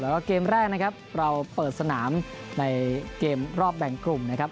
แล้วก็เกมแรกนะครับเราเปิดสนามในเกมรอบแบ่งกลุ่มนะครับ